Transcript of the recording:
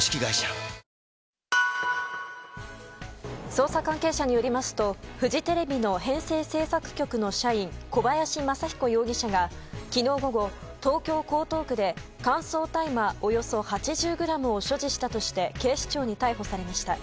捜査関係者によりますとフジテレビの編成制作局の社員小林正彦容疑者が昨日午後、東京・江東区で乾燥大麻およそ８０ｇを所持したとして警視庁に逮捕されました。